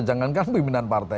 jangankan pembinaan partai